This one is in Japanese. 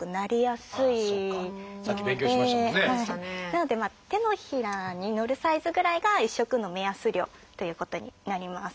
なので手のひらに乗るサイズぐらいが一食の目安量ということになります。